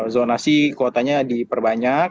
zonasi kuotanya diperbanyak